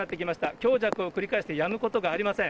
強弱を繰り返してやむことがありません。